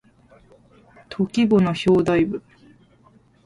登記簿の表題部